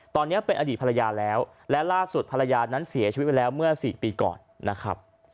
ตอนนี้เป็นอดีตภรรยาแล้วและล่าสุดภรรยานั้นเสียชีวิตไปแล้วเมื่อสี่ปีก่อนนะครับ